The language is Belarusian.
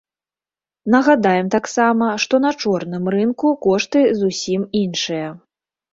Нагадаем таксама, што на чорным рынку кошты зусім іншыя.